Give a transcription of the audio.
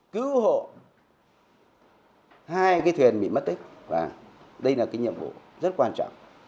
cứu hộ hai cái thuyền bị mất tích và đây là cái nhiệm vụ rất quan trọng